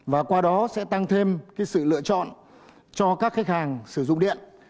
và qua đó sẽ tăng thêm sự lựa chọn cho các khách hàng sử dụng điện